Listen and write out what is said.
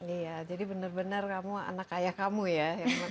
iya jadi bener bener kamu anak ayah kamu ya